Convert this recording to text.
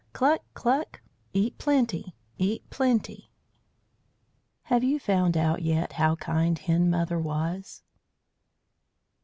Cluck! cluck! Eat plenty. Eat plenty." Have you found out yet how kind Hen Mother was?